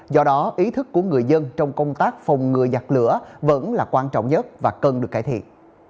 do đó ý thức của người dân trong công tác phòng ngừa giặc lửa vẫn là quan trọng nhất và cần được cải thiện